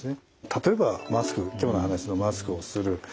例えばマスク今日の話のマスクをする。